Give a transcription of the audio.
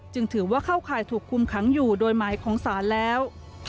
จึงถือว่าเข้าข่ายถูกคุมขังอยู่โดยหมายของศาลแล้ว